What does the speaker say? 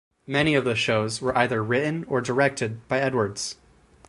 Many of the shows were either written or directed by Edwards.